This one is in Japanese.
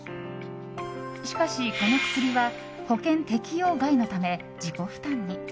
しかし、この薬は保険適用外のため自己負担に。